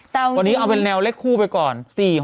ตอนนี้เอาเป็นแนวเลขคู่ไปก่อน